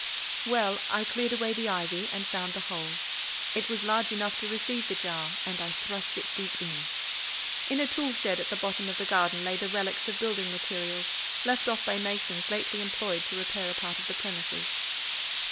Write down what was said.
Well, I cleared away the ivy, and found the hole; it was large enough to receive the jar, and I thrust it deep in. In a tool shed at the bottom of the garden, lay the relics of building materials, left by masons lately employed to repair a part of the premises.